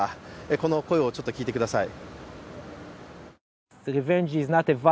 この声を聞いてください。